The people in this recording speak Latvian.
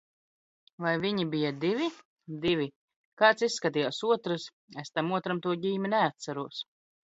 -Vai viņi bija divi? -Divi. -Kāds izskatījās otrs? -Es tam otram to...ģīmi neatceros.